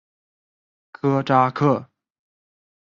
科扎克。